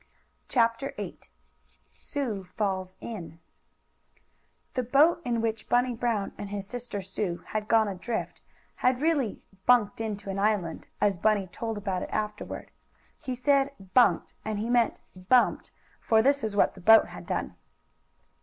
CHAPTER VIII SUE FALLS IN The boat, in which Bunny Brown and his sister Sue had gone adrift, had really "bunked into an island," as Bunny told about it afterward. He said "bunked," and he meant bumped, for that is what the boat had done.